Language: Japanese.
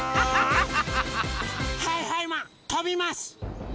はいはいマンとびます！